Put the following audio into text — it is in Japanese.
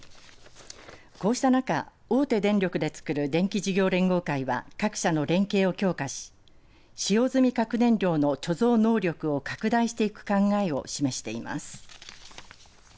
こうした中、大手電力で作る電気事業連合会は各社の連携を強化し使用済み核燃料の貯蔵能力を拡大していく考えを示しています。